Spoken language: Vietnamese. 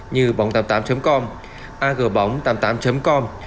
như bóng tám mươi tám com agbóng tám mươi tám com